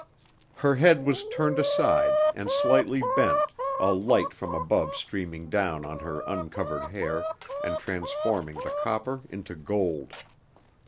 Her head was turned aside and slightly bent, a light from above streaming down on her uncovered hair, and transforming the copper into gold.